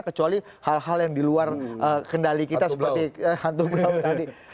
kecuali hal hal yang diluar kendali kita seperti hantu blau tadi